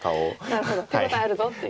なるほど手応えあるぞっていう。